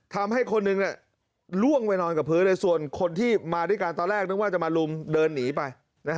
ทำให้คนหนึ่งล่วงไปนอนกับพื้นเลยส่วนคนที่มาด้วยกันตอนแรกนึกว่าจะมาลุมเดินหนีไป